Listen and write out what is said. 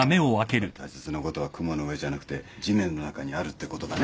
やっぱり大切なことは雲の上じゃなくて地面の中にあるってことだね。